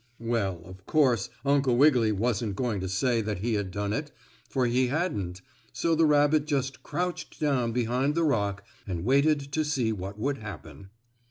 Well, of course, Uncle Wiggily wasn't going to say that he had done it, for he hadn't, so the rabbit just crouched down behind the rock, and waited to see what would happen.